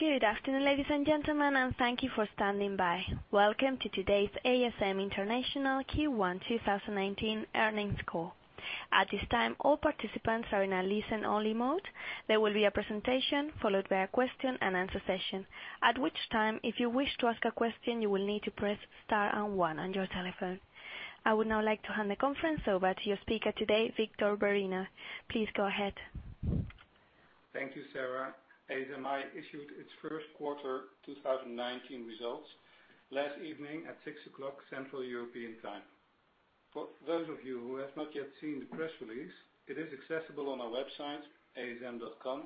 Good afternoon, ladies and gentlemen, thank you for standing by. Welcome to today's ASM International Q1 2019 earnings call. At this time, all participants are in a listen-only mode. There will be a presentation followed by a question and answer session. At which time, if you wish to ask a question, you will need to press star and one on your telephone. I would now like to hand the conference over to your speaker today, Victor Bareño. Please go ahead. Thank you, Sarah. ASMI issued its first quarter 2019 results last evening at 6:00 Central European time. For those of you who have not yet seen the press release, it is accessible on our website, asm.com,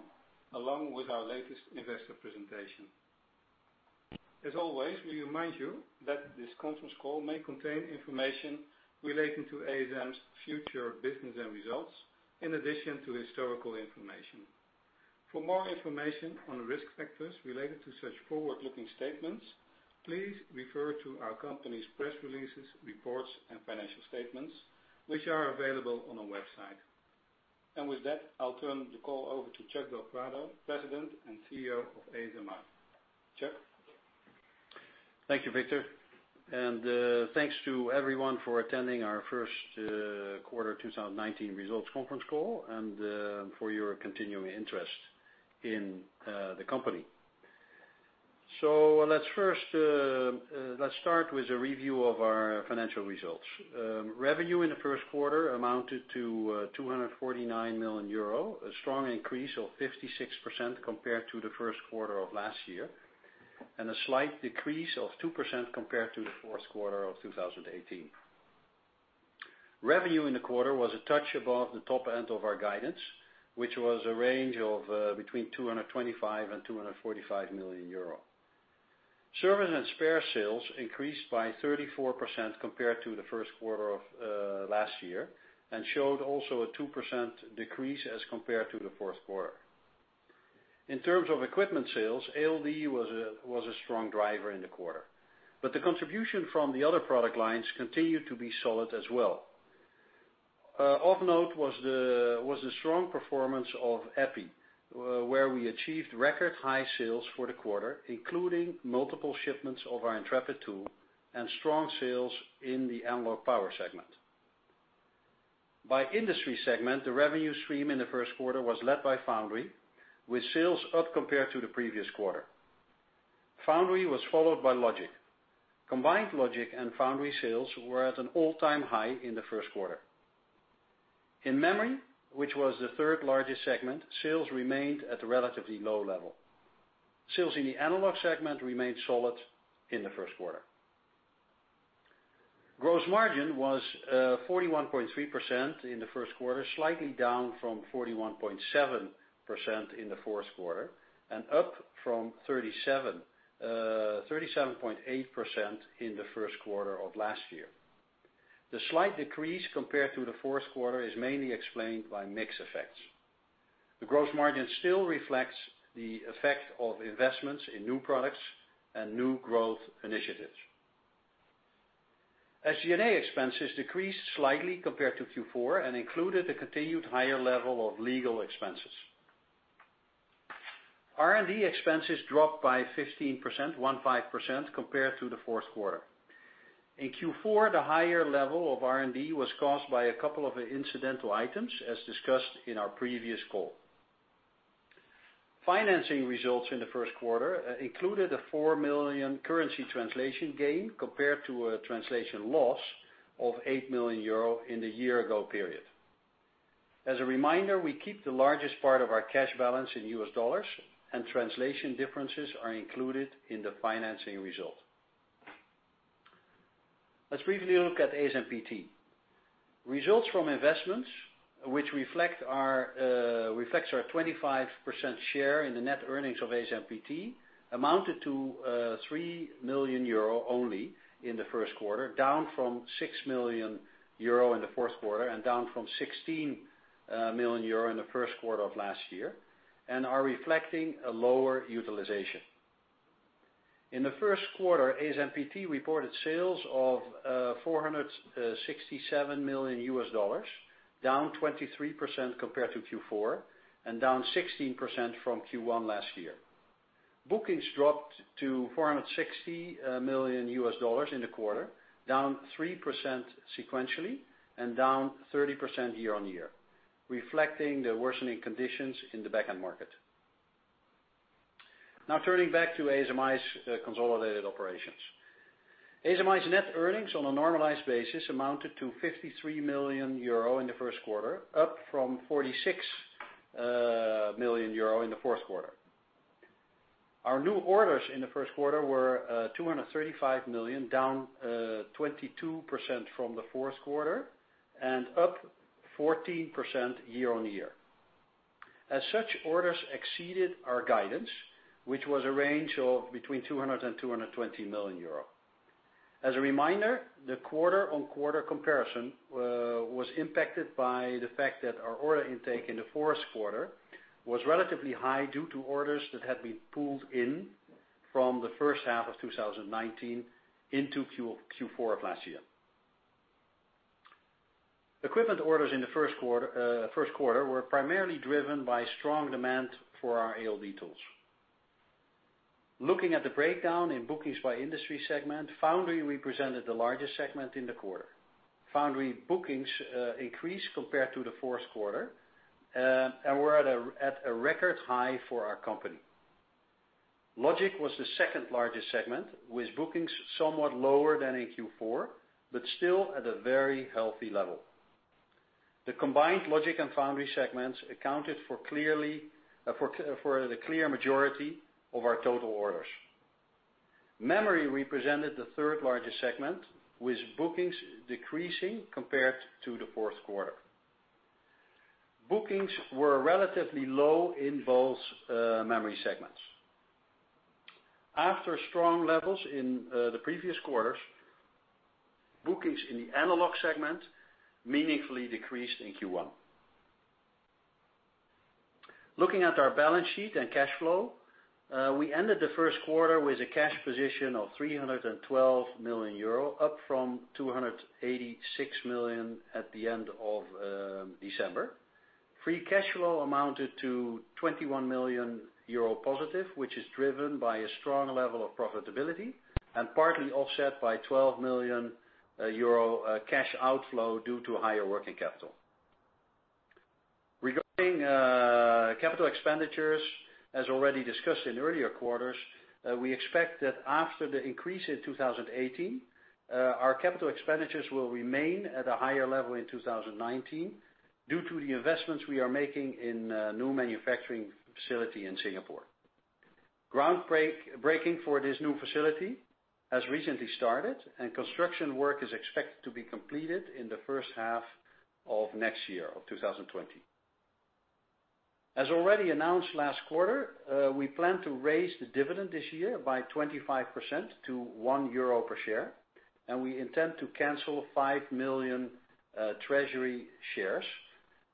along with our latest investor presentation. As always, we remind you that this conference call may contain information relating to ASM's future business and results, in addition to historical information. For more information on the risk factors related to such forward-looking statements, please refer to our company's press releases, reports, and financial statements, which are available on our website. With that, I'll turn the call over to Chuck del Prado, President and CEO of ASMI. Chuck? Thank you, Victor. Thanks to everyone for attending our first quarter 2019 results conference call and for your continuing interest in the company. Let's start with a review of our financial results. Revenue in the first quarter amounted to 249 million euro, a strong increase of 56% compared to the first quarter of last year, a slight decrease of 2% compared to the fourth quarter of 2018. Revenue in the quarter was a touch above the top end of our guidance, which was a range of between 225 million and 245 million euro. Service and spare sales increased by 34% compared to the first quarter of last year and showed also a 2% decrease as compared to the fourth quarter. In terms of equipment sales, ALD was a strong driver in the quarter, the contribution from the other product lines continued to be solid as well. Of note was the strong performance of Epi, where we achieved record-high sales for the quarter, including multiple shipments of our Intrepid tool and strong sales in the analog power segment. By industry segment, the revenue stream in the first quarter was led by Foundry, with sales up compared to the previous quarter. Foundry was followed by Logic. Combined Logic and Foundry sales were at an all-time high in the first quarter. In Memory, which was the third largest segment, sales remained at a relatively low level. Sales in the analog segment remained solid in the first quarter. Gross margin was 41.3% in the first quarter, slightly down from 41.7% in the fourth quarter, up from 37.8% in the first quarter of last year. The slight decrease compared to the fourth quarter is mainly explained by mix effects. The gross margin still reflects the effect of investments in new products and new growth initiatives. SG&A expenses decreased slightly compared to Q4 and included a continued higher level of legal expenses. R&D expenses dropped by 15% compared to the fourth quarter. In Q4, the higher level of R&D was caused by a couple of incidental items, as discussed in our previous call. Financing results in the first quarter included a 4 million currency translation gain, compared to a translation loss of 8 million euro in the year-ago period. As a reminder, we keep the largest part of our cash balance in US dollars, and translation differences are included in the financing result. Let's briefly look at ASMPT. Results from investments, which reflects our 25% share in the net earnings of ASMPT, amounted to 3 million euro only in the first quarter, down from 6 million euro in the fourth quarter and down from 16 million euro in the first quarter of last year, and are reflecting a lower utilization. In the first quarter, ASMPT reported sales of $467 million, down 23% compared to Q4 and down 16% from Q1 last year. Bookings dropped to $460 million in the quarter, down 3% sequentially and down 30% year-on-year, reflecting the worsening conditions in the back-end market. Turning back to ASMI's consolidated operations. ASMI's net earnings on a normalized basis amounted to 53 million euro in the first quarter, up from 46 million euro in the fourth quarter. Our new orders in the first quarter were 235 million, down 22% from the fourth quarter and up 14% year-on-year. Such orders exceeded our guidance, which was a range of between 200 million euro and 220 million euro. As a reminder, the quarter-on-quarter comparison was impacted by the fact that our order intake in the fourth quarter was relatively high due to orders that had been pulled in from the first half of 2019 into Q4 of last year. Equipment orders in the first quarter were primarily driven by strong demand for our ALD tools. Looking at the breakdown in bookings by industry segment, foundry represented the largest segment in the quarter. foundry bookings increased compared to the fourth quarter, and we're at a record high for our company. logic was the second-largest segment, with bookings somewhat lower than in Q4, but still at a very healthy level. The combined logic and foundry segments accounted for the clear majority of our total orders. memory represented the third-largest segment, with bookings decreasing compared to the fourth quarter. Bookings were relatively low in both memory segments. After strong levels in the previous quarters, bookings in the analog segment meaningfully decreased in Q1. Looking at our balance sheet and cash flow, we ended the first quarter with a cash position of 312 million euro, up from 286 million at the end of December. Free cash flow amounted to 21 million euro positive, which is driven by a strong level of profitability and partly offset by 12 million euro cash outflow due to higher working capital. Regarding capital expenditures, as already discussed in earlier quarters, we expect that after the increase in 2018, our capital expenditures will remain at a higher level in 2019 due to the investments we are making in a new manufacturing facility in Singapore. Groundbreaking for this new facility has recently started, construction work is expected to be completed in the first half of next year, of 2020. As already announced last quarter, we plan to raise the dividend this year by 25% to 1 euro per share, we intend to cancel 5 million treasury shares,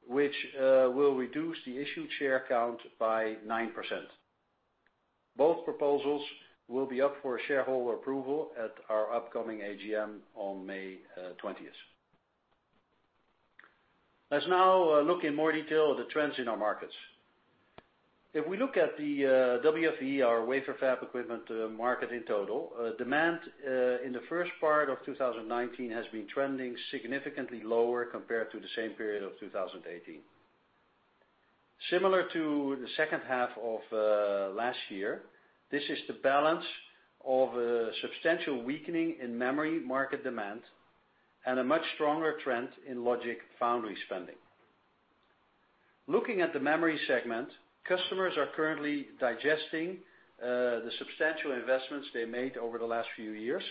which will reduce the issued share count by 9%. Both proposals will be up for shareholder approval at our upcoming AGM on May 20th. Let's now look in more detail at the trends in our markets. If we look at the WFE, our wafer fab equipment market in total, demand in the first part of 2019 has been trending significantly lower compared to the same period of 2018. Similar to the second half of last year, this is the balance of a substantial weakening in memory market demand and a much stronger trend in logic foundry spending. Looking at the memory segment, customers are currently digesting the substantial investments they made over the last few years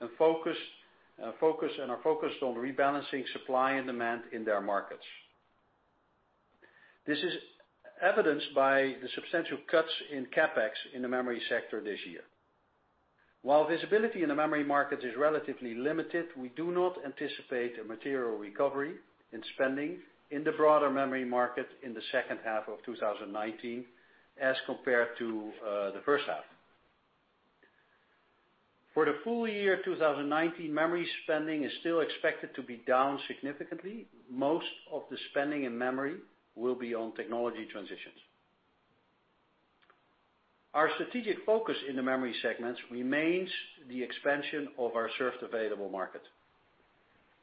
and are focused on rebalancing supply and demand in their markets. This is evidenced by the substantial cuts in CapEx in the memory sector this year. While visibility in the memory market is relatively limited, we do not anticipate a material recovery in spending in the broader memory market in the second half of 2019 as compared to the first half. For the full year 2019, memory spending is still expected to be down significantly. Most of the spending in memory will be on technology transitions. Our strategic focus in the memory segments remains the expansion of our served available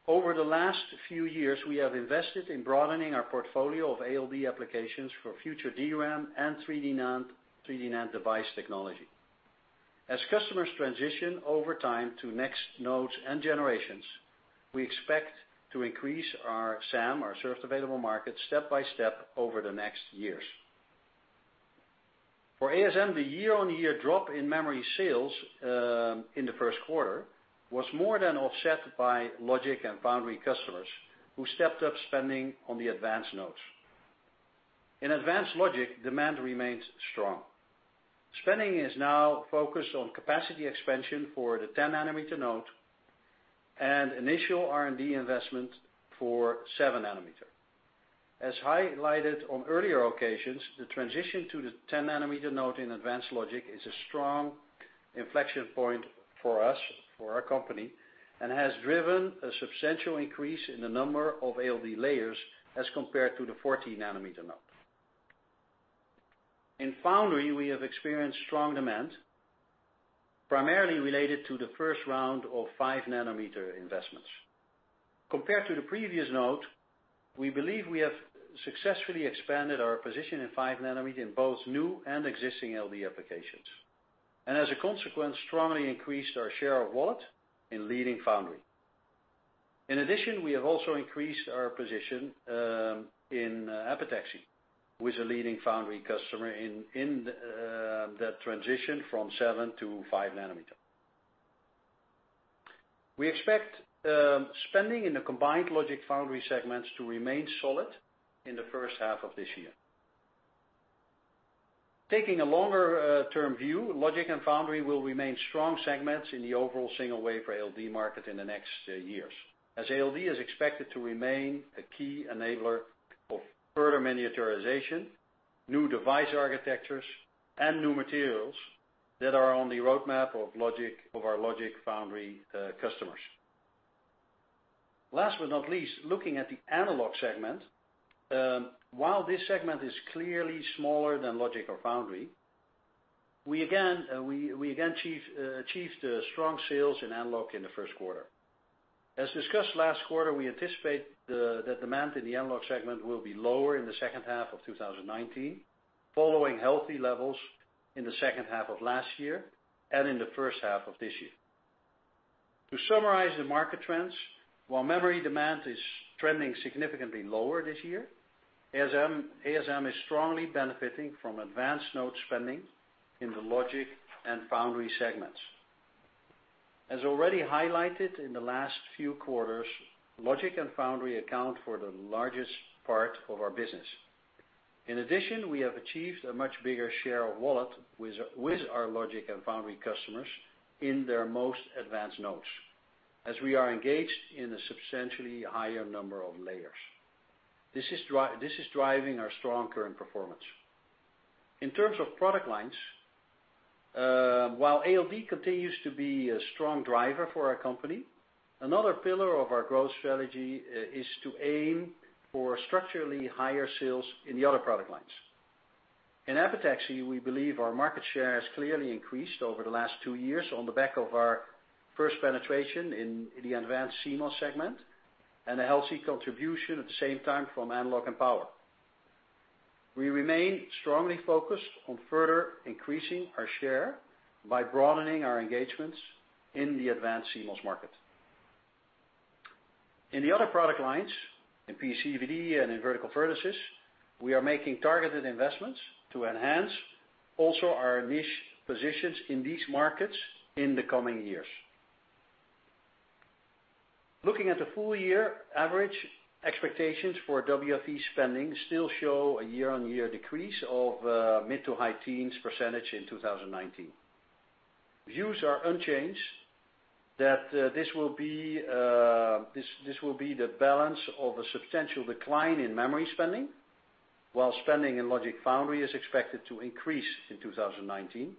market. Over the last few years, we have invested in broadening our portfolio of ALD applications for future DRAM and 3D NAND device technology. As customers transition over time to next nodes and generations, we expect to increase our SAM, our served available market, step-by-step over the next years. For ASM, the year-on-year drop in memory sales in the first quarter was more than offset by logic and foundry customers who stepped up spending on the advanced nodes. In advanced logic, demand remains strong. Spending is now focused on capacity expansion for the 10 nanometer node and initial R&D investment for 7 nanometer. As highlighted on earlier occasions, the transition to the 10 nanometer node in advanced logic is a strong inflection point for us, for our company, and has driven a substantial increase in the number of ALD layers as compared to the 40 nanometer node. In foundry, we have experienced strong demand, primarily related to the first round of 5-nanometer investments. Compared to the previous node, we believe we have successfully expanded our position in 5 nanometer in both new and existing ALD applications, and as a consequence, strongly increased our share of wallet in leading foundry. In addition, we have also increased our position in epitaxy with a leading foundry customer in the transition from 7 to 5 nanometer. We expect spending in the combined logic foundry segments to remain solid in the first half of this year. Taking a longer-term view, logic and foundry will remain strong segments in the overall single wafer ALD market in the next years, as ALD is expected to remain a key enabler of further miniaturization. New device architectures and new materials that are on the roadmap of our logic foundry customers. Last but not least, looking at the analog segment. While this segment is clearly smaller than logic or foundry, we again achieved strong sales in analog in the first quarter. As discussed last quarter, we anticipate the demand in the analog segment will be lower in the second half of 2019, following healthy levels in the second half of last year and in the first half of this year. To summarize the market trends, while memory demand is trending significantly lower this year, ASM is strongly benefiting from advanced node spending in the logic and foundry segments. As already highlighted in the last few quarters, logic and foundry account for the largest part of our business. In addition, we have achieved a much bigger share of wallet with our logic and foundry customers in their most advanced nodes, as we are engaged in a substantially higher number of layers. This is driving our strong current performance. In terms of product lines, while ALD continues to be a strong driver for our company, another pillar of our growth strategy is to aim for structurally higher sales in the other product lines. In epitaxy, we believe our market share has clearly increased over the last two years on the back of our first penetration in the advanced CMOS segment, and a healthy contribution at the same time from analog and power. We remain strongly focused on further increasing our share by broadening our engagements in the advanced CMOS market. In the other product lines, in PECVD and in vertical furnaces, we are making targeted investments to enhance also our niche positions in these markets in the coming years. Looking at the full-year average, expectations for WFE spending still show a year-on-year decrease of mid-to-high teens % in 2019. Views are unchanged that this will be the balance of a substantial decline in memory spending, while spending in logic foundry is expected to increase in 2019,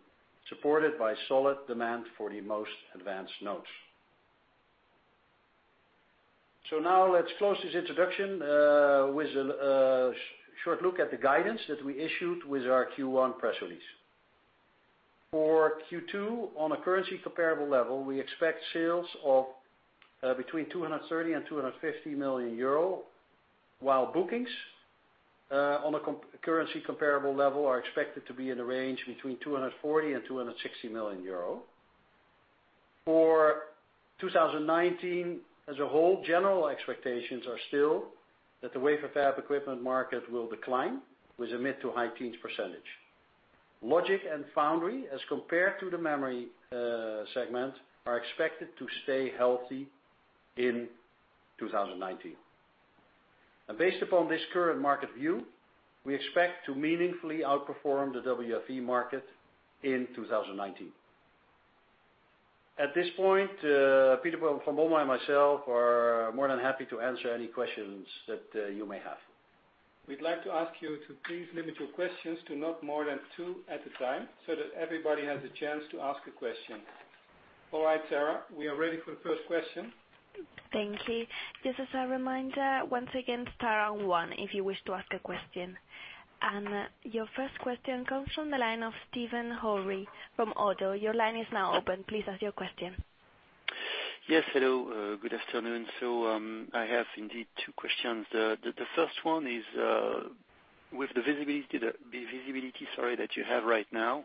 supported by solid demand for the most advanced nodes. Now let's close this introduction with a short look at the guidance that we issued with our Q1 press release. For Q2, on a currency comparable level, we expect sales of between 230 million and 250 million euro, while bookings, on a currency comparable level, are expected to be in the range between 240 million and 260 million euro. For 2019 as a whole, general expectations are still that the wafer fab equipment market will decline with a mid-to-high teens %. Logic and foundry, as compared to the memory segment, are expected to stay healthy in 2019. Based upon this current market view, we expect to meaningfully outperform the WFE market in 2019. At this point, Peter van Bommel and myself are more than happy to answer any questions that you may have. We'd like to ask you to please limit your questions to not more than two at a time, so that everybody has a chance to ask a question. All right, Sarah, we are ready for the first question. Thank you. Just as a reminder, once again, star one if you wish to ask a question. Your first question comes from the line of Stéphane Houri from ODDO. Your line is now open. Please ask your question. Yes. Hello, good afternoon. I have indeed two questions. The first one is, with the visibility that you have right now,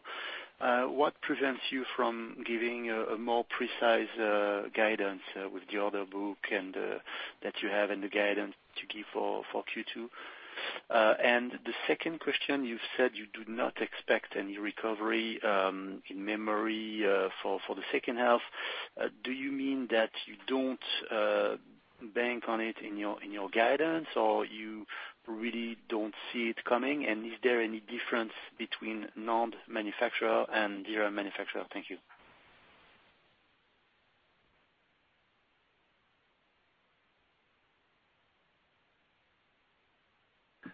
what prevents you from giving a more precise guidance with the order book that you have and the guidance to give for Q2? The second question, you said you do not expect any recovery in memory for the second half. Do you mean that you don't bank on it in your guidance, or you really don't see it coming? Is there any difference between NAND manufacturer and DRAM manufacturer? Thank you.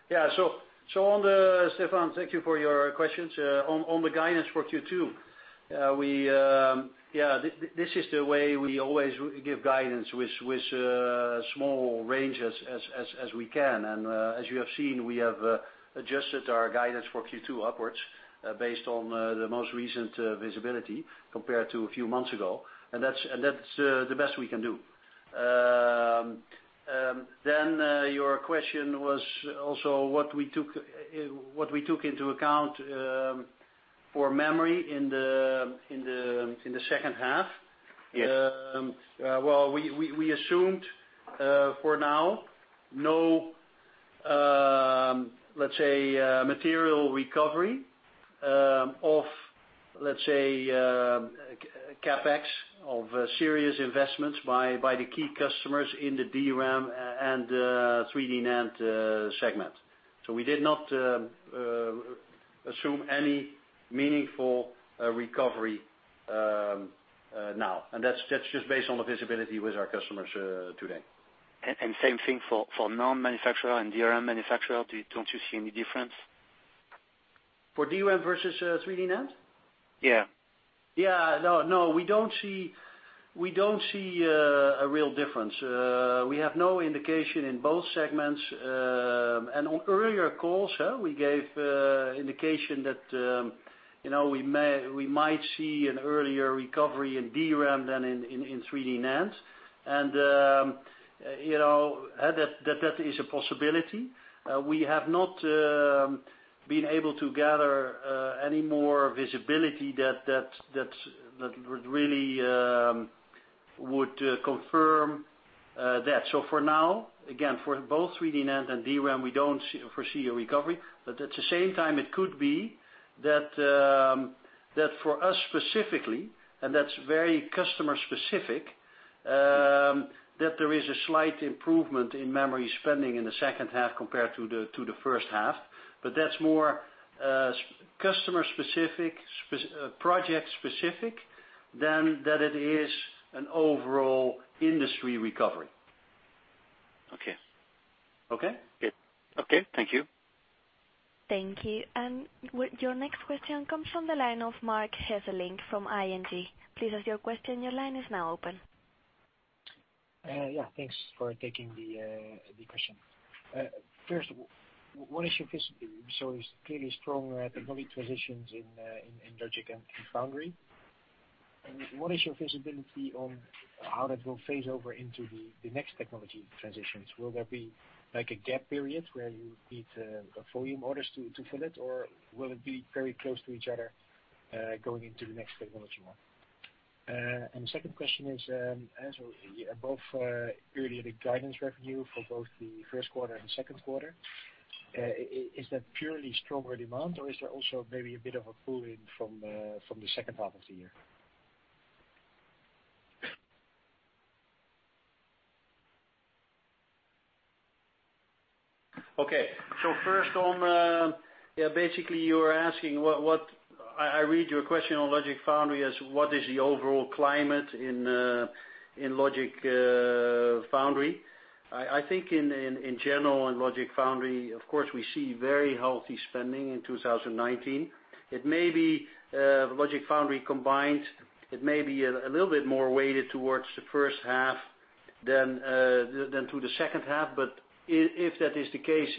Yeah. Stéphane, thank you for your questions. On the guidance for Q2, this is the way we always give guidance, with small ranges as we can. As you have seen, we have adjusted our guidance for Q2 upwards based on the most recent visibility compared to a few months ago, and that's the best we can do. Your question was also what we took into account for memory in the second half. Yes. Well, we assumed, for now, no, let's say, material recovery of, let's say, CapEx of serious investments by the key customers in the DRAM and 3D NAND segment. We did not assume any meaningful recovery now. That's just based on the visibility with our customers today. Same thing for 3D NAND manufacturer and DRAM manufacturer, don't you see any difference? For DRAM versus 3D NAND? Yeah. Yeah. No, we don't see a real difference. We have no indication in both segments. On earlier calls, we gave indication that we might see an earlier recovery in DRAM than in 3D NAND. That is a possibility. We have not been able to gather any more visibility that would confirm that. For now, again, for both 3D NAND and DRAM, we don't foresee a recovery, but at the same time, it could be that for us specifically, and that's very customer specific, that there is a slight improvement in memory spending in the second half compared to the first half. That's more customer specific, project specific than that it is an overall industry recovery. Okay. Okay? Okay, thank you. Thank you. Your next question comes from the line of Marc Hesselink from ING. Please ask your question. Your line is now open. Thanks for taking the question. First, what is your visibility? It's clearly stronger technology transitions in logic and foundry. What is your visibility on how that will phase over into the next technology transitions? Will there be a gap period where you need volume orders to fill it, or will it be very close to each other, going into the next technology mark? Second question is, above clearly the guidance revenue for both the first quarter and second quarter, is that purely stronger demand or is there also maybe a bit of a pull-in from the second half of the year? First, basically you are asking, I read your question on logic foundry as what is the overall climate in logic foundry. I think in general in logic foundry, of course, we see very healthy spending in 2019. Logic foundry combined, it may be a little bit more weighted towards the first half than to the second half, but if that is the case,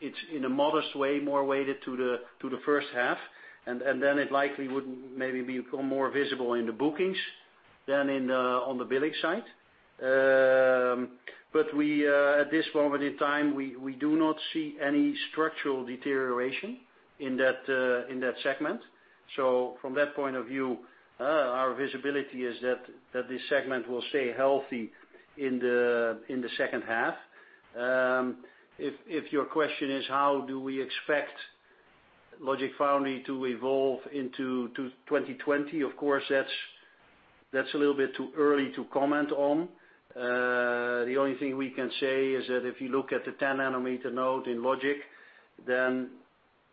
it's in a modest way, more weighted to the first half, and then it likely would maybe become more visible in the bookings than on the billing side. At this moment in time, we do not see any structural deterioration in that segment. From that point of view, our visibility is that this segment will stay healthy in the second half. If your question is how do we expect logic foundry to evolve into 2020, of course, that's a little bit too early to comment on. The only thing we can say is that if you look at the 10 nanometer node in logic, then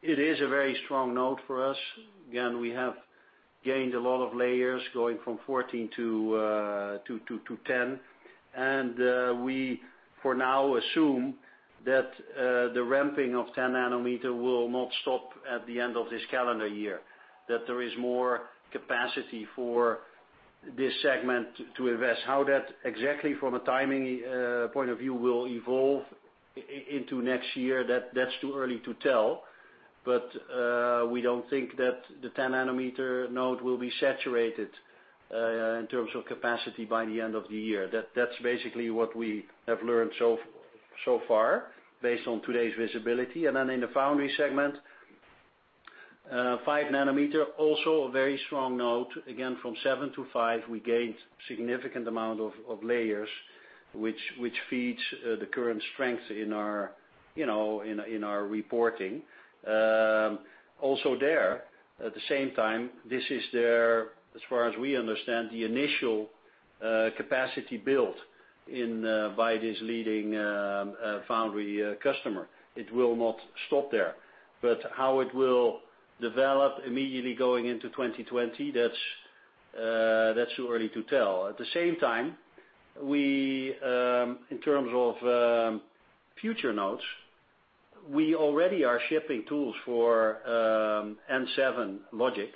it is a very strong node for us. Again, we have gained a lot of layers going from 14 to 10. We, for now, assume that the ramping of 10 nanometer will not stop at the end of this calendar year, that there is more capacity for this segment to invest. How that exactly from a timing point of view will evolve into next year, that's too early to tell. We don't think that the 10 nanometer node will be saturated, in terms of capacity by the end of the year. That's basically what we have learned so far based on today's visibility. In the foundry segment, 5 nanometer, also a very strong node. Again, from 7 to 5, we gained significant amount of layers, which feeds the current strength in our reporting. Also there, at the same time, this is their, as far as we understand, the initial capacity built by this leading foundry customer. It will not stop there. How it will develop immediately going into 2020, that's too early to tell. At the same time, in terms of future nodes, we already are shipping tools for N7 logic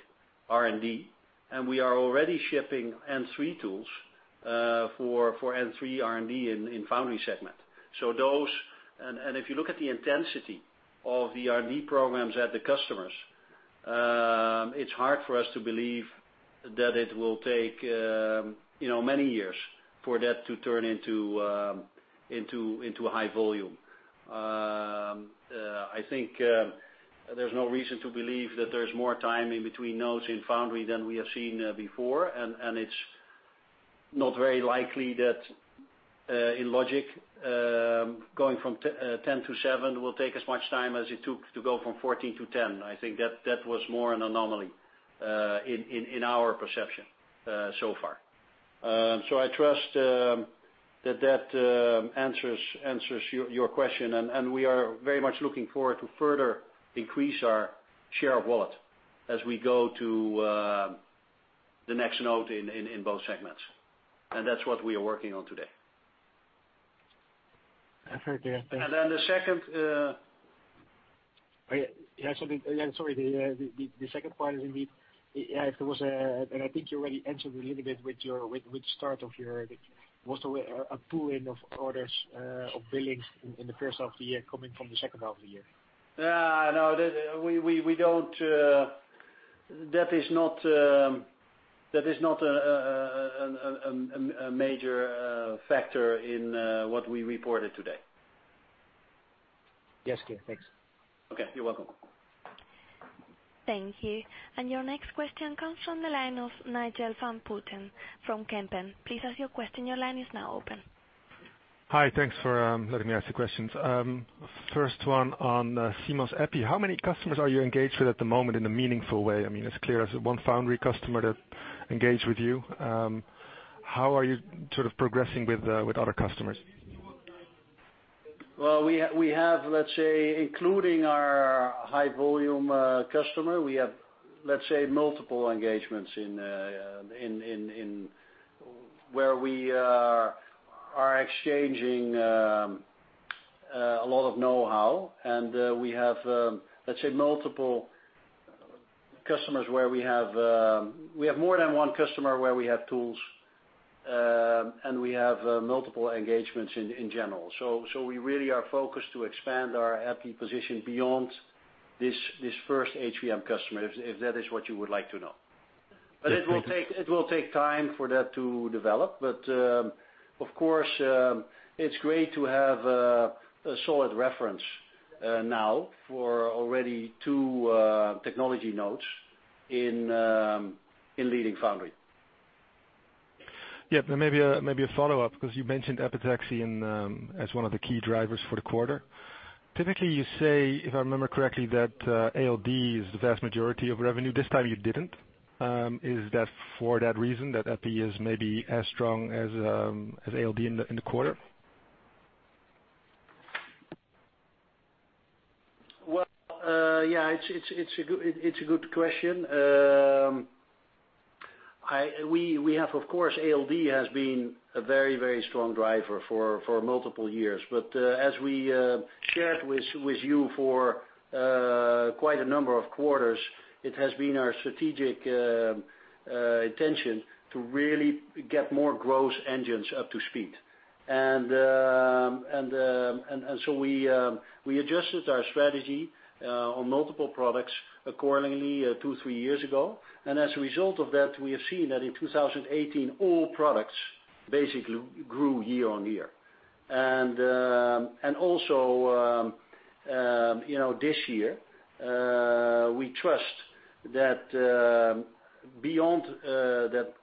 R&D, we are already shipping N3 tools, for N3 R&D in foundry segment. If you look at the intensity of the R&D programs at the customers, it's hard for us to believe that it will take many years for that to turn into high volume. I think there's no reason to believe that there's more time in between nodes in foundry than we have seen before, and it's not very likely that in logic, going from 10 to 7 will take as much time as it took to go from 14 to 10. I think that was more an anomaly, in our perception so far. I trust that answers your question. We are very much looking forward to further increase our share of wallet as we go to the next node in both segments. That's what we are working on today. Perfect. Yeah. Thanks. the second Yeah. Sorry. The second part is indeed, if there was a, and I think you already answered a little bit with start of your, was there a pooling of orders of billings in the first half of the year coming from the second half of the year? No. That is not a major factor in what we reported today. Yes. Okay. Thanks. Okay. You're welcome. Thank you. Your next question comes from the line of Nigel van Putten from Kempen. Please ask your question. Your line is now open. Hi. Thanks for letting me ask the questions. First one on CMOS epi, how many customers are you engaged with at the moment in a meaningful way? It's clear there's one foundry customer that engaged with you. How are you sort of progressing with other customers? Well, we have, let's say, including our high volume customer, we have multiple engagements where we are exchanging a lot of knowhow, and we have more than one customer where we have tools, and we have multiple engagements in general. We really are focused to expand our epi position beyond this first HVM customer, if that is what you would like to know. Yes. Thank you. It will take time for that to develop. Of course, it's great to have a solid reference now for already two technology nodes in leading foundry. Yeah. Maybe a follow-up, because you mentioned epitaxy as one of the key drivers for the quarter. Typically, you say, if I remember correctly, that ALD is the vast majority of revenue. This time, you didn't. Is that for that reason, that Epi is maybe as strong as ALD in the quarter? Well, yeah. It's a good question. Of course, ALD has been a very strong driver for multiple years. As we shared with you for quite a number of quarters, it has been our strategic intention to really get more growth engines up to speed. We adjusted our strategy on multiple products accordingly two, three years ago. As a result of that, we have seen that in 2018, all products basically grew year-on-year. Also, this year, we trust that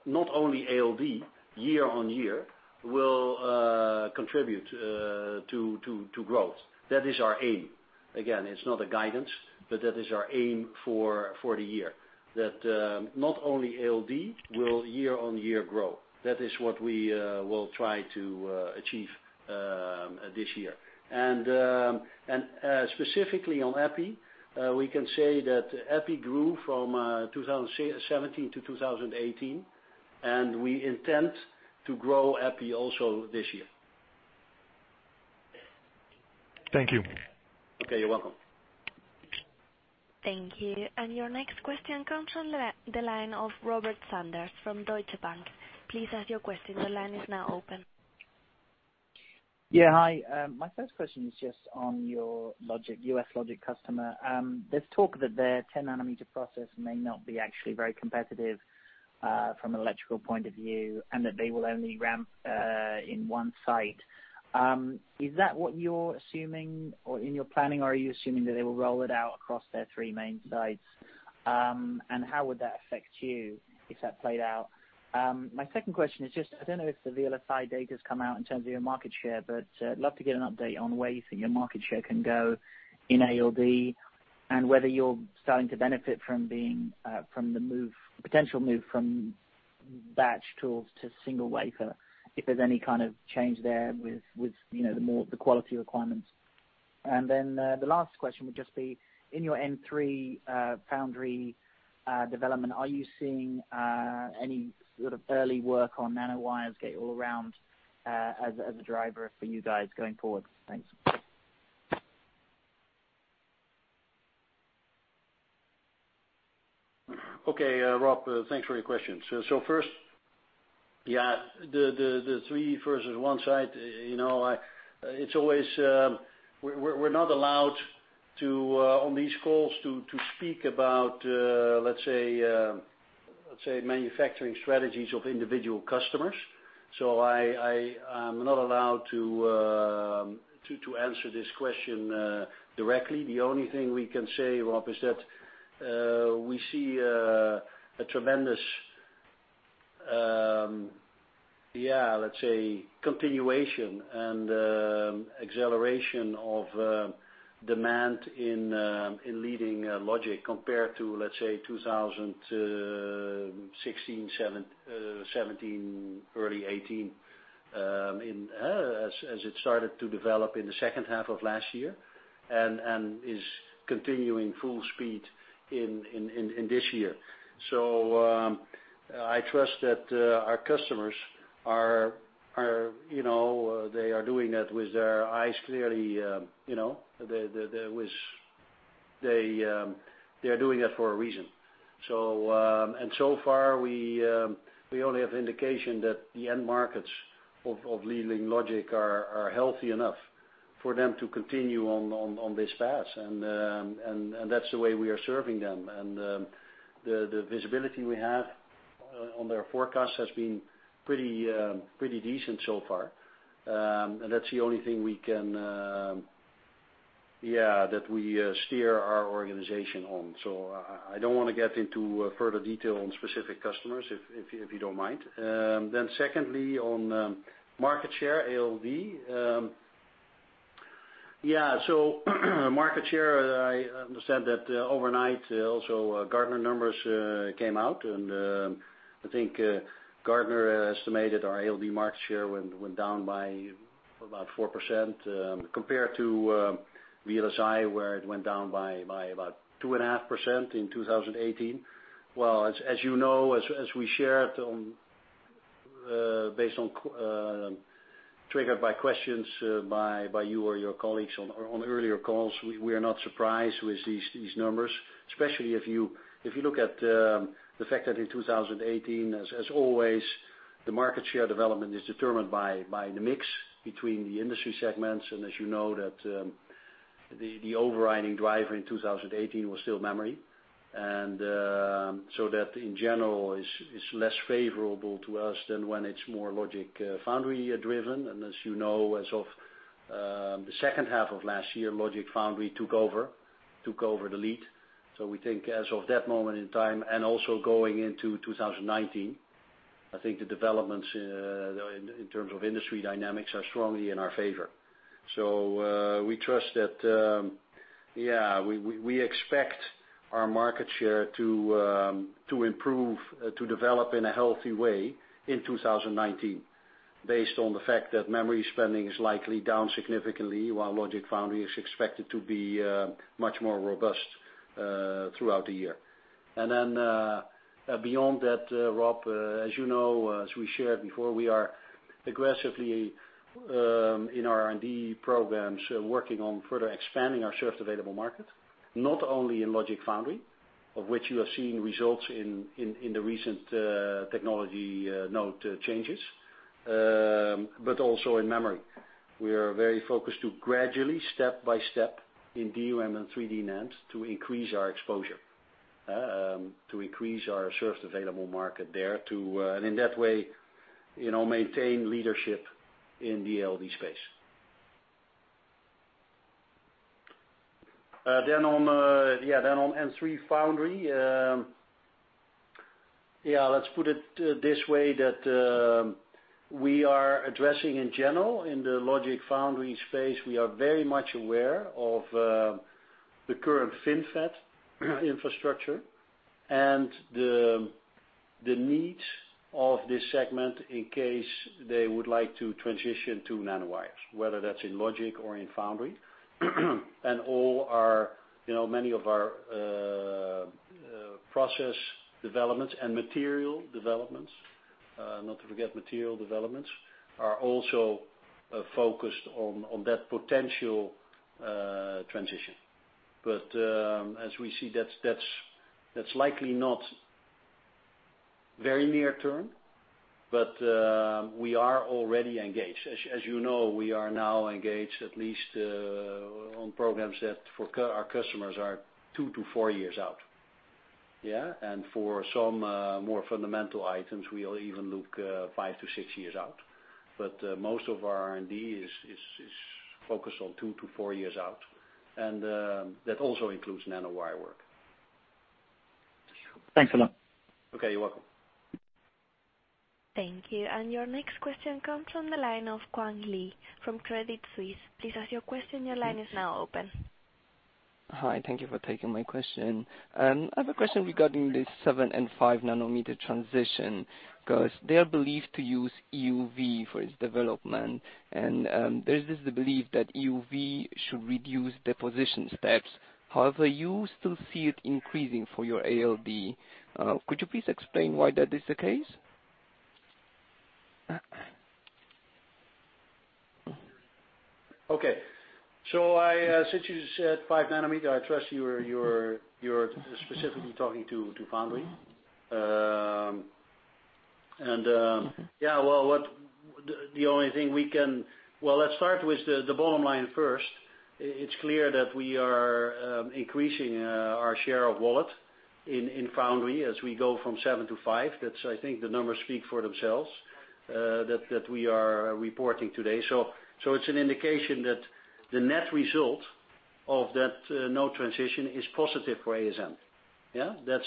not only ALD year-on-year will contribute to growth. That is our aim. Again, it's not a guidance, but that is our aim for the year, that not only ALD will year-on-year grow. That is what we will try to achieve this year. Specifically on Epi, we can say that Epi grew from 2017 to 2018, and we intend to grow Epi also this year. Thank you. Okay. You're welcome. Thank you. Your next question comes from the line of Robert Sanders from Deutsche Bank. Please ask your question. The line is now open. Yeah. Hi. My first question is just on your U.S. logic customer. There's talk that their 10 nanometer process may not be actually very competitive from an electrical point of view, and that they will only ramp in one site. Is that what you're assuming or in your planning, or are you assuming that they will roll it out across their three main sites? How would that affect you if that played out? My second question is just, I don't know if the VLSI data's come out in terms of your market share, but I'd love to get an update on where you think your market share can go in ALD, and whether you're starting to benefit from the potential move from batch tools to single wafer, if there's any kind of change there with the quality requirements. The last question would just be, in your N3 foundry development, are you seeing any sort of early work on nanowires gate-all-around as a driver for you guys going forward? Thanks. Okay. Rob, thanks for your questions. First, the three versus one site. We're not allowed to, on these calls, to speak about, let's say, manufacturing strategies of individual customers. I'm not allowed to answer this question directly. The only thing we can say, Rob, is that we see a tremendous. Let's say, continuation and acceleration of demand in leading logic compared to, let's say, 2016, 2017, early 2018, as it started to develop in the second half of last year, and is continuing full speed in this year. I trust that our customers are doing that with their eyes clearly. They are doing that for a reason. So far, we only have indication that the end markets of leading logic are healthy enough for them to continue on this path. That's the way we are serving them. The visibility we have on their forecast has been pretty decent so far. That's the only thing that we steer our organization on. I don't want to get into further detail on specific customers, if you don't mind. Secondly, on market share, ALD. Market share, I understand that overnight, also Gartner numbers came out, and I think Gartner estimated our ALD market share went down by about 4%, compared to VLSI, where it went down by about two and a half % in 2018. Well, as you know, as we shared, triggered by questions by you or your colleagues on earlier calls, we are not surprised with these numbers, especially if you look at the fact that in 2018, as always, the market share development is determined by the mix between the industry segments. As you know, that the overriding driver in 2018 was still memory. That in general, is less favorable to us than when it's more logic foundry driven. As you know, as of the second half of last year, logic foundry took over the lead. We think as of that moment in time, and also going into 2019, I think the developments in terms of industry dynamics are strongly in our favor. We trust that, we expect our market share to improve, to develop in a healthy way in 2019. Based on the fact that memory spending is likely down significantly, while logic foundry is expected to be much more robust, throughout the year. Beyond that, Rob, as you know, as we shared before, we are aggressively in R&D programs, working on further expanding our served available market, not only in logic foundry, of which you have seen results in the recent technology note changes, but also in memory. We are very focused to gradually, step-by-step, in DRAM and 3D NAND, to increase our exposure. To increase our served available market there, and in that way, maintain leadership in the ALD space. On N3 foundry. Let's put it this way, that we are addressing in general in the logic foundry space. We are very much aware of the current FinFET infrastructure and the needs of this segment in case they would like to transition to nanowires, whether that's in logic or in foundry. Many of our process developments and material developments, not to forget material developments, are also focused on that potential transition. As we see, that's likely not very near term, but we are already engaged. As you know, we are now engaged at least on programs that for our customers are 2 to 4 years out. For some more fundamental items, we'll even look 5 to 6 years out. Most of our R&D is focused on 2 to 4 years out, and that also includes nanowire work. Thanks a lot. Okay. You're welcome. Thank you. Your next question comes from the line of Achal Sultania from Credit Suisse. Please ask your question. Your line is now open. Hi. Thank you for taking my question. I have a question regarding the seven and five nanometer transition, because they are believed to use EUV for its development. There's this belief that EUV should reduce deposition steps. However, you still see it increasing for your ALD. Could you please explain why that is the case? Okay. Since you said five nanometer, I trust you're specifically talking to foundry. Let's start with the bottom line first. It's clear that we are increasing our share of wallet in foundry as we go from N7 to N5. I think the numbers speak for themselves, that we are reporting today. It's an indication that the net result of that node transition is positive for ASM. Yeah? That's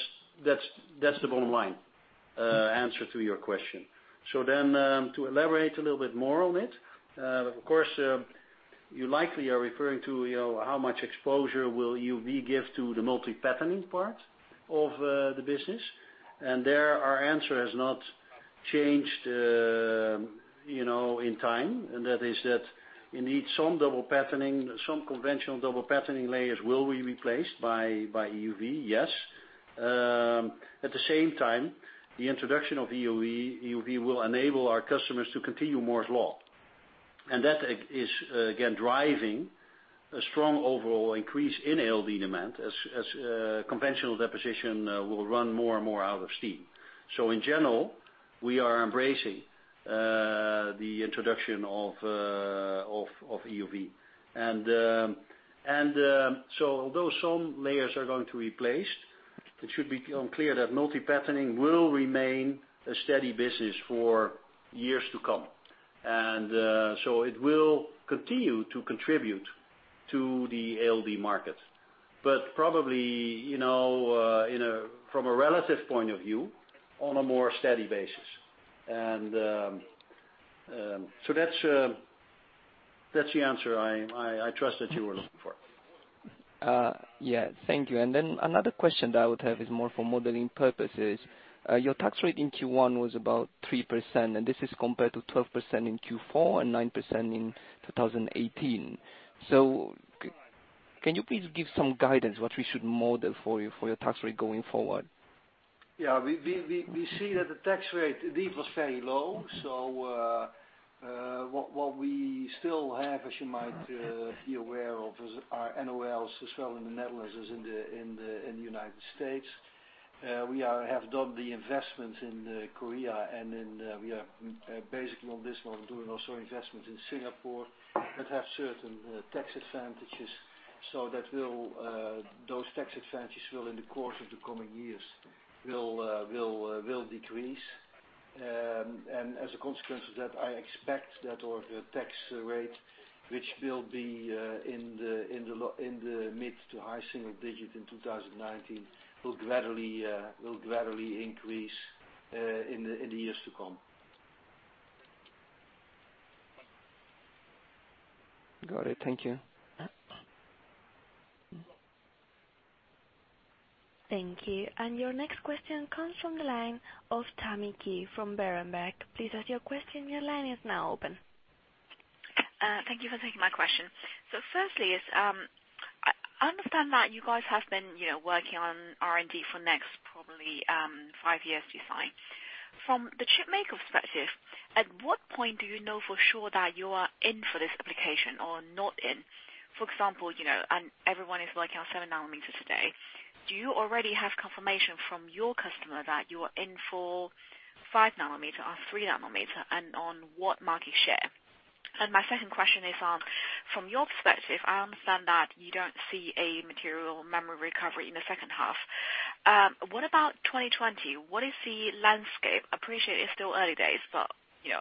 the bottom line answer to your question. To elaborate a little bit more on it, of course, you likely are referring to how much exposure will EUV give to the multi-patterning part of the business. There, our answer has not changed in time, and that is that indeed some conventional double patterning layers will be replaced by EUV, yes. At the same time, the introduction of EUV will enable our customers to continue Moore's Law. That is, again, driving a strong overall increase in ALD demand as conventional deposition will run more and more out of steam. In general, we are embracing the introduction of EUV. Although some layers are going to be placed, it should become clear that multi-patterning will remain a steady business for years to come. It will continue to contribute to the ALD market, but probably, from a relative point of view, on a more steady basis. That's the answer I trust that you were looking for. Yeah. Thank you. Another question that I would have is more for modeling purposes. Your tax rate in Q1 was about 3%, and this is compared to 12% in Q4 and 9% in 2018. Can you please give some guidance what we should model for your tax rate going forward? Yeah. We see that the tax rate, indeed, was very low. What we still have, as you might be aware of, is our NOLs as well in the Netherlands as in the U.S. We have done the investments in Korea, we are basically on this one doing also investments in Singapore that have certain tax advantages. Those tax advantages in the course of the coming years will decrease. As a consequence of that, I expect that our tax rate, which will be in the mid to high single digit in 2019, will gradually increase in the years to come. Got it. Thank you. Thank you. Your next question comes from the line of Tammy Qiu from Berenberg. Please ask your question. Your line is now open. Thank you for taking my question. Firstly is, I understand that you guys have been working on R&D for next probably five years design. From the chip maker perspective, at what point do you know for sure that you are in for this application or not in? For example, everyone is looking at seven nanometer today, do you already have confirmation from your customer that you are in for five nanometer or three nanometer, and on what market share? My second question is on, from your perspective, I understand that you don't see a material memory recovery in the second half. What about 2020? What is the landscape? Appreciate it's still early days, but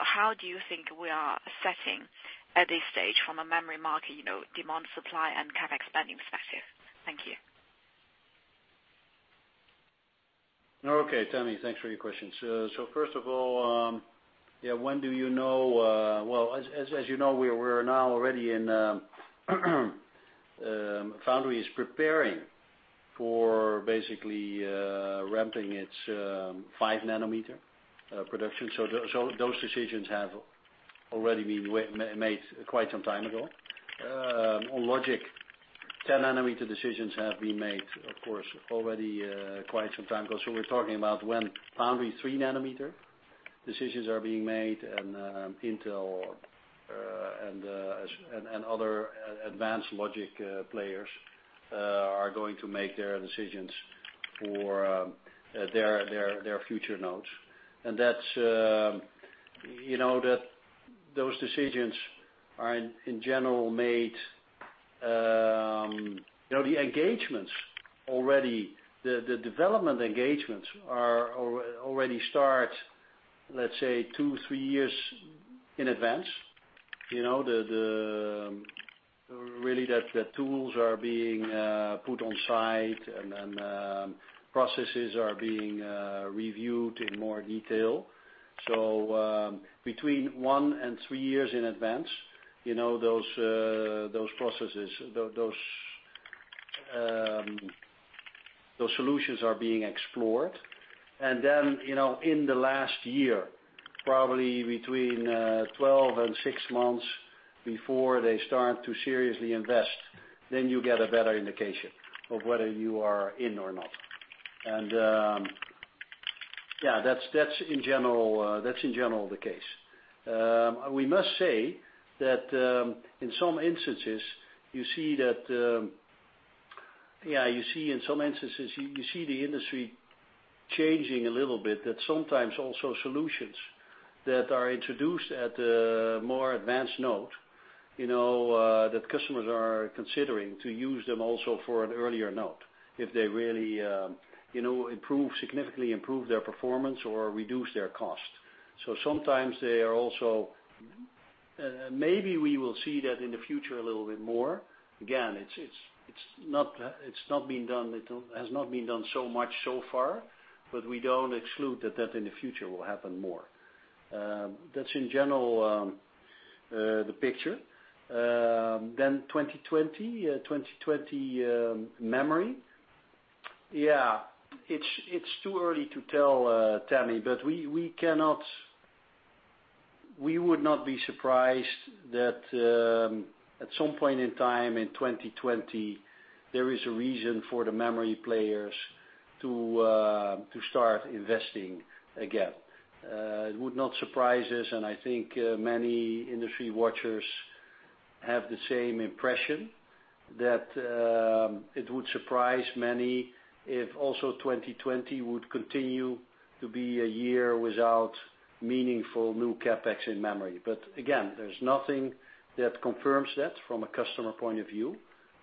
how do you think we are setting at this stage from a memory market, demand, supply, and CapEx spending perspective? Thank you. Okay, Tammy, thanks for your questions. First of all, when do you know? Well, as you know, we are now already in foundry is preparing for basically ramping its five-nanometer production. Those decisions have already been made quite some time ago. On logic, 10-nanometer decisions have been made, of course, already quite some time ago. We're talking about when foundry three-nanometer decisions are being made and Intel and other advanced logic players are going to make their decisions for their future nodes. Those decisions are, in general, made The development engagements already start, let's say, two, three years in advance. Really, the tools are being put on site, and then processes are being reviewed in more detail. Between one and three years in advance, those solutions are being explored. In the last year, probably between 12 and six months before they start to seriously invest, then you get a better indication of whether you are in or not. That's in general the case. We must say that in some instances, you see the industry changing a little bit. Sometimes also solutions that are introduced at a more advanced node, that customers are considering to use them also for an earlier node, if they really significantly improve their performance or reduce their cost. Sometimes, maybe we will see that in the future a little bit more. Again, it has not been done so much so far, but we don't exclude that in the future will happen more. That's in general, the picture. 2020 memory. Yeah. It's too early to tell, Tammy, but we would not be surprised that at some point in time in 2020, there is a reason for the memory players to start investing again. It would not surprise us, and I think many industry watchers have the same impression, that it would surprise many if also 2020 would continue to be a year without meaningful new CapEx in memory. Again, there's nothing that confirms that from a customer point of view.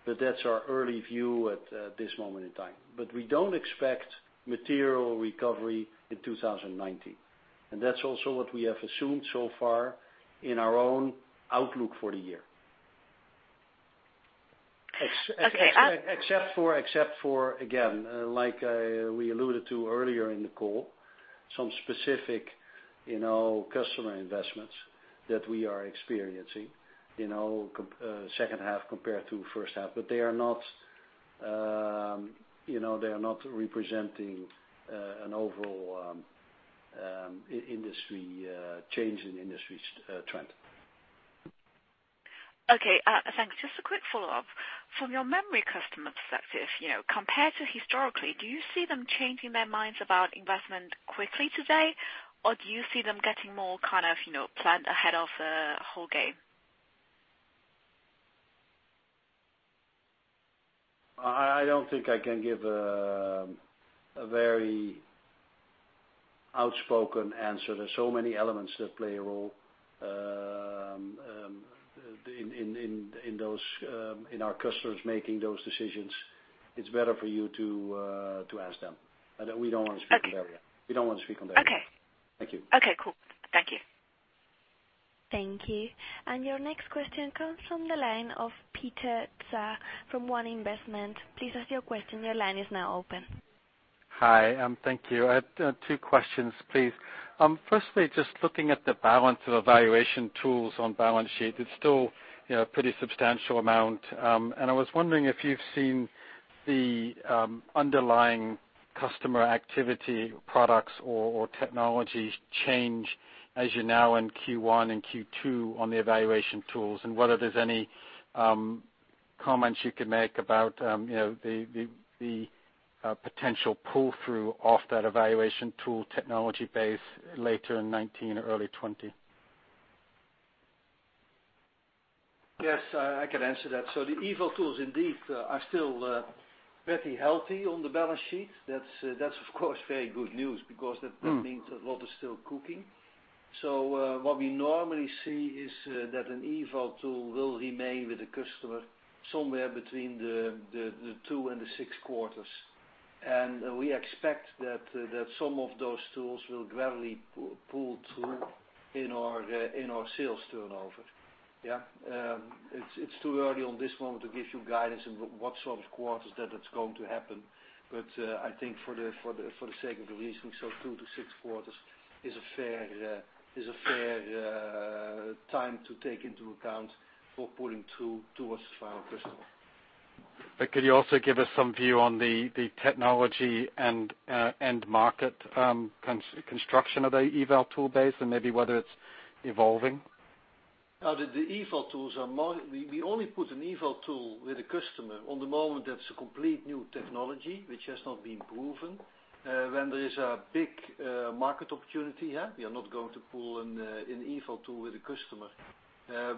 That's our early view at this moment in time. We don't expect material recovery in 2019, and that's also what we have assumed so far in our own outlook for the year. Okay. Except for, again, like we alluded to earlier in the call, some specific customer investments that we are experiencing, second half compared to first half. They are not representing an overall change in industry trend. Okay. Thanks. Just a quick follow-up. From your memory customer perspective, compared to historically, do you see them changing their minds about investment quickly today, or do you see them getting more planned ahead of the whole game? I don't think I can give a very outspoken answer. There's so many elements that play a role in our customers making those decisions. It's better for you to ask them. We don't want to speak on their behalf. Okay. Thank you. Okay, cool. Thank you. Thank you. Your next question comes from the line of Peter Tsai from One Investment. Please ask your question. Your line is now open. Hi, thank you. I have two questions, please. Firstly, just looking at the balance of evaluation tools on balance sheet, it's still a pretty substantial amount. I was wondering if you've seen the underlying customer activity products or technologies change as you're now in Q1 and Q2 on the evaluation tools, and whether there's any comments you could make about the potential pull-through of that evaluation tool technology base later in 2019 or early 2020. Yes, I can answer that. The eval tools indeed are still pretty healthy on the balance sheet. That's of course very good news because that means a lot is still cooking. What we normally see is that an eval tool will remain with the customer somewhere between two and six quarters. We expect that some of those tools will gradually pull through in our sales turnover. It's too early on this moment to give you guidance on what sort of quarters that it's going to happen. I think for the sake of the reasoning, two to six quarters is a fair time to take into account for pulling through towards the final customer. Could you also give us some view on the technology and end market construction of the eval tool base and maybe whether it's evolving? The eval tools, we only put an eval tool with a customer on the moment that's a complete new technology which has not been proven. When there is a big market opportunity, we are not going to pull an eval tool with a customer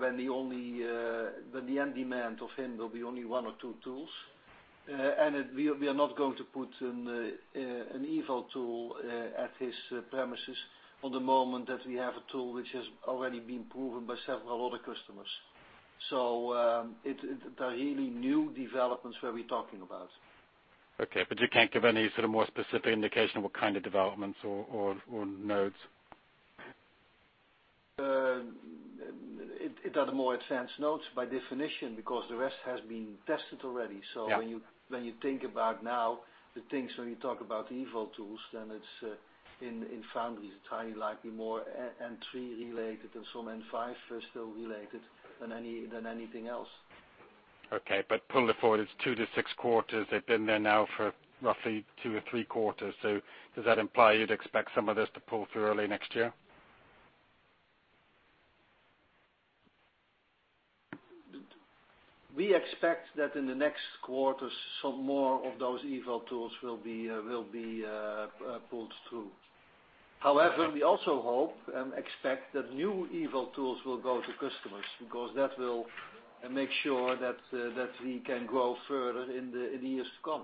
when the end demand of him will be only one or two tools. We are not going to put an eval tool at his premises on the moment that we have a tool which has already been proven by several other customers. They're really new developments, what we're talking about. Okay. You can't give any sort of more specific indication of what kind of developments or nodes? They are the more advanced nodes by definition, because the rest has been tested already. Yeah. When you think about now, the things when you talk about eval tools, it's in foundries, it's highly likely more N3 related and some N5 still related than anything else. Okay, pull it forward, it's two to six quarters. They've been there now for roughly two or three quarters. Does that imply you'd expect some of this to pull through early next year? We expect that in the next quarters, some more of those eval tools will be pulled through. We also hope and expect that new eval tools will go to customers because that will make sure that we can grow further in the years to come.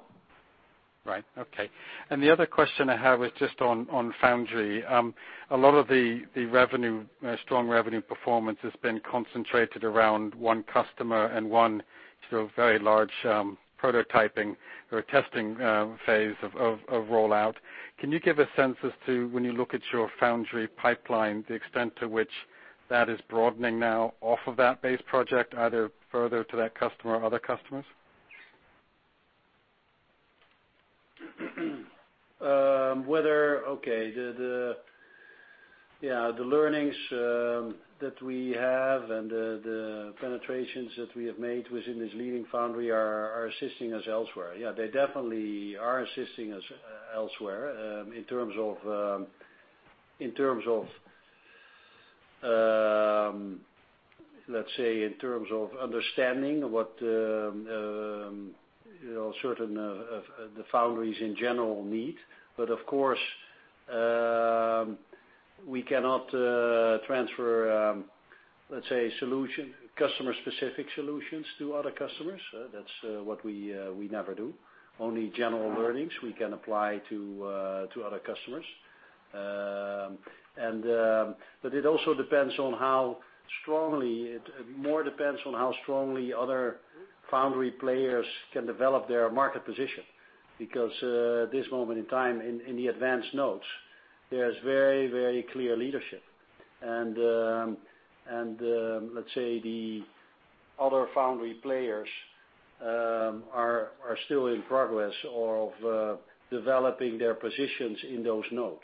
Right. Okay. The other question I have is just on foundry. A lot of the strong revenue performance has been concentrated around one customer and one very large prototyping or testing phase of rollout. Can you give a sense as to, when you look at your foundry pipeline, the extent to which that is broadening now off of that base project, either further to that customer or other customers? Okay. The learnings that we have and the penetrations that we have made within this leading foundry are assisting us elsewhere. Yeah, they definitely are assisting us elsewhere, let's say, in terms of understanding what certain foundries in general need. Of course, we cannot transfer, let's say, customer-specific solutions to other customers. That's what we never do. Only general learnings we can apply to other customers. It more depends on how strongly other foundry players can develop their market position because at this moment in time, in the advanced nodes, there's very clear leadership. Let's say the other foundry players are still in progress of developing their positions in those nodes.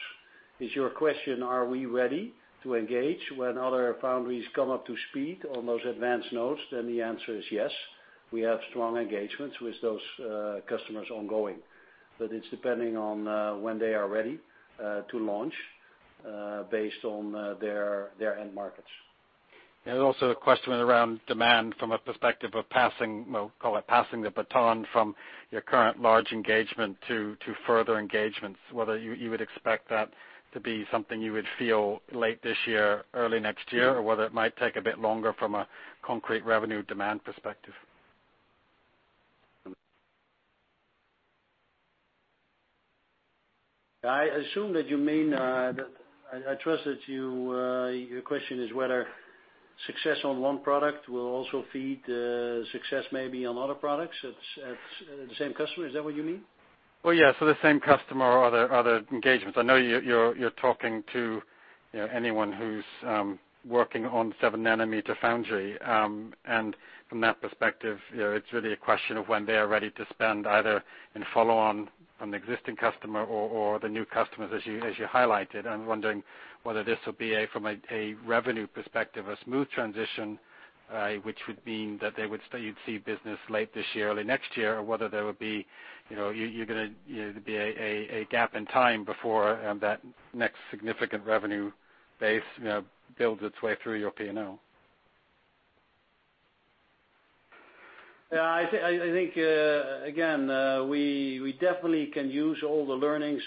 Is your question, are we ready to engage when other foundries come up to speed on those advanced nodes? The answer is yes. We have strong engagements with those customers ongoing. It's depending on when they are ready to launch based on their end markets. Also a question around demand from a perspective of, call it passing the baton from your current large engagement to further engagements, whether you would expect that to be something you would feel late this year, early next year, or whether it might take a bit longer from a concrete revenue demand perspective. I trust that your question is whether success on one product will also feed success maybe on other products at the same customer. Is that what you mean? Well, yeah. The same customer or other engagements. I know you're talking to anyone who's working on 7 nanometer foundry. From that perspective, it's really a question of when they are ready to spend, either in follow on from the existing customer or the new customers as you highlighted. I'm wondering whether this will be, from a revenue perspective, a smooth transition, which would mean that you'd see business late this year, early next year, or whether there would be a gap in time before that next significant revenue base builds its way through your P&L. I think, again, we definitely can use all the learnings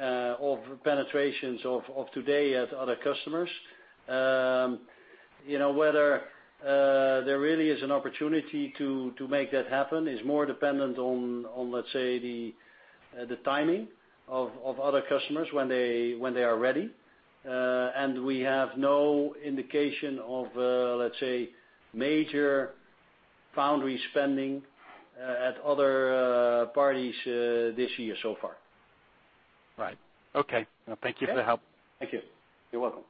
of penetrations of today at other customers. Whether there really is an opportunity to make that happen is more dependent on, let's say, the timing of other customers, when they are ready. We have no indication of, let's say, major foundry spending at other parties this year so far. Right. Okay. Thank you for the help. Thank you. You're welcome.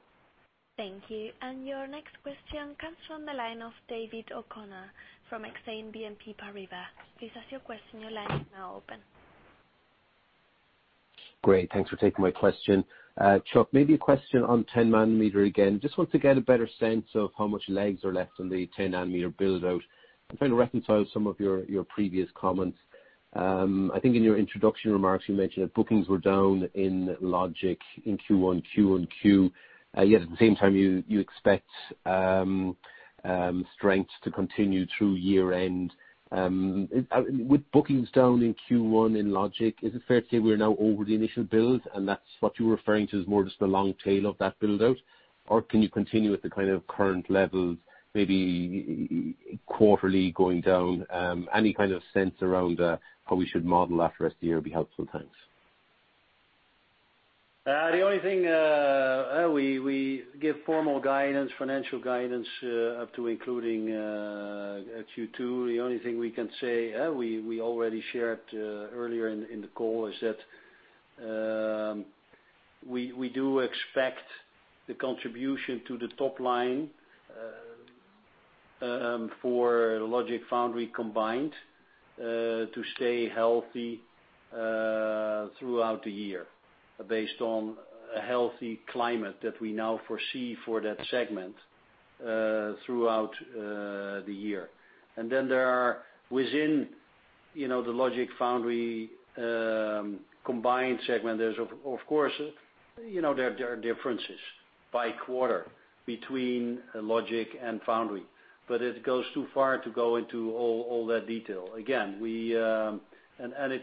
Thank you. Your next question comes from the line of David O'Connor from Exane BNP Paribas. Please ask your question. Your line is now open. Great. Thanks for taking my question. Chuck, maybe a question on 10-nanometer again. Just want to get a better sense of how much legs are left on the 10-nanometer build-out. I'm trying to reconcile some of your previous comments. I think in your introduction remarks, you mentioned that bookings were down in logic in Q1, quarter-over-quarter. Yet at the same time, you expect strength to continue through year-end. With bookings down in Q1 in logic, is it fair to say we're now over the initial build, and that's what you're referring to as more just the long tail of that build-out? Or can you continue at the kind of current levels, maybe quarterly going down? Any kind of sense around how we should model that rest of the year would be helpful. Thanks. We give formal financial guidance up to including Q2. The only thing we can say, we already shared earlier in the call, is that we do expect the contribution to the top line for logic foundry combined to stay healthy throughout the year based on a healthy climate that we now foresee for that segment throughout the year. Then within the logic foundry combined segment, there are differences by quarter between logic and foundry. It goes too far to go into all that detail. It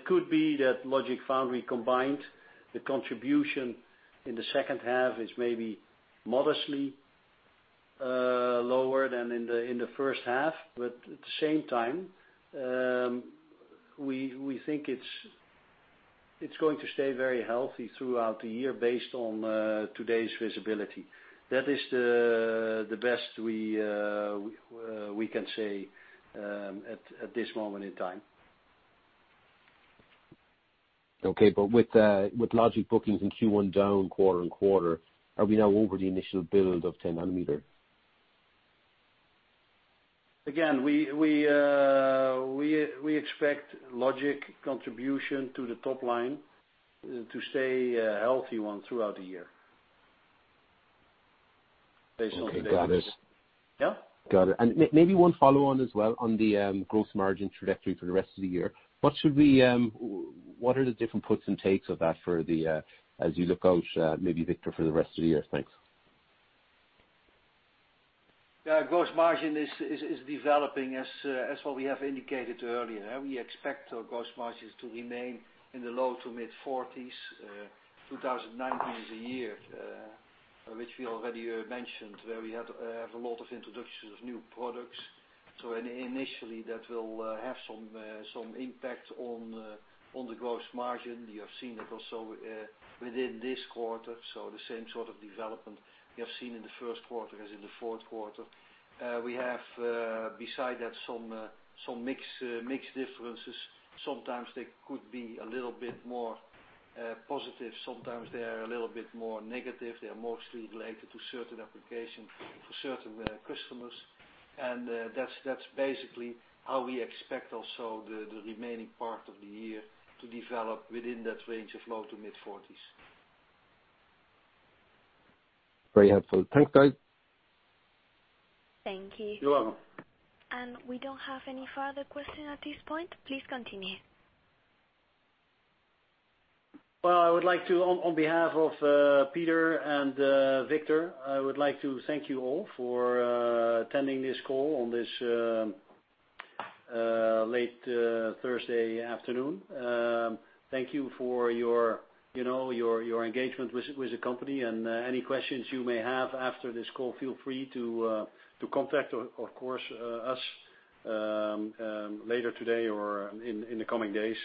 could be that logic foundry combined, the contribution in the second half is maybe modestly lower than in the first half. At the same time, we think it's going to stay very healthy throughout the year based on today's visibility. That is the best we can say at this moment in time. Okay. With logic bookings in Q1 down quarter on quarter, are we now over the initial build of 10 nanometer? Again, we expect logic contribution to the top line to stay a healthy one throughout the year based on today's Okay, got it. Yeah? Got it. Maybe one follow-on as well on the gross margin trajectory for the rest of the year. What are the different puts and takes of that as you look out, maybe Victor, for the rest of the year? Thanks. Yeah. Gross margin is developing as what we have indicated earlier. We expect our gross margins to remain in the low to mid-40s%. 2019 is a year, which we already mentioned, where we have a lot of introductions of new products. Initially, that will have some impact on the gross margin. You have seen it also within this quarter, the same sort of development we have seen in the first quarter as in the fourth quarter. We have, beside that, some mix differences. Sometimes they could be a little bit more positive, sometimes they are a little bit more negative. They are mostly related to certain application for certain customers. That's basically how we expect also the remaining part of the year to develop within that range of low to mid-40s%. Very helpful. Thanks, guys. Thank you. You're welcome. We don't have any further question at this point. Please continue. Well, on behalf of Peter and Victor, I would like to thank you all for attending this call on this late Thursday afternoon. Thank you for your engagement with the company. Any questions you may have after this call, feel free to contact, of course, us later today or in the coming days.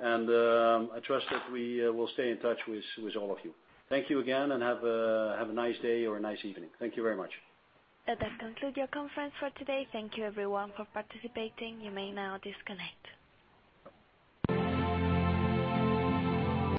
I trust that we will stay in touch with all of you. Thank you again, and have a nice day or a nice evening. Thank you very much. That concludes your conference for today. Thank you, everyone, for participating. You may now disconnect.